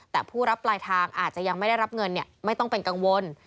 แต่ผู้รับปลายทางอาจจะยังไม่ได้รับเงินไม่ต้องเป็นกังวล